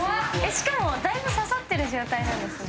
しかもだいぶ刺さってる状態なんですね。